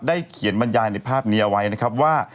เขียนบรรยายในภาพนี้เอาไว้นะครับว่า